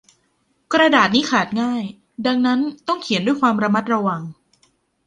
กระดาษนี้ขาดง่าย ดังนั้นต้องเขียนด้วยความระมัดระวัง